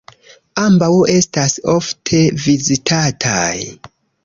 Ambaŭ estas ofte vizitataj.